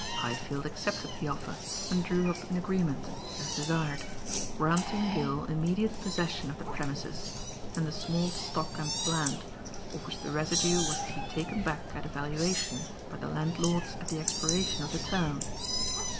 Highfield accepted the offer and drew up an agreement, as desired, granting Gill immediate possession of the premises and the small stock and plant, of which the residue was to be taken back at a valuation by the landlords at the expiration of the term.